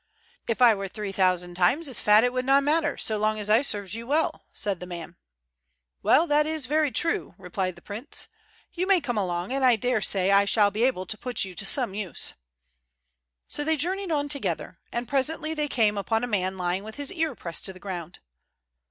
"If I were three thousand times as fat it would not matter, so long as I served you well," said the man. "Hum! well, that is very true," replied the prince. "You may come along, and I dare say I shall be able to put you to some use." So they journeyed on together, and presently they came upon a man lying with his ear pressed to the ground.